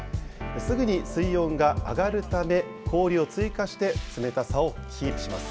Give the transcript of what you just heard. すぐに水温が上がるため、氷を追加して、冷たさをキープします。